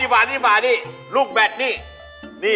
นี่ดีไปลูกแบทนี่